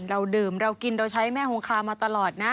เราดื่มเรากินเราใช้แม่คงคามาตลอดนะ